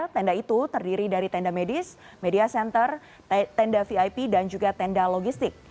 tenda itu terdiri dari tenda medis media center tenda vip dan juga tenda logistik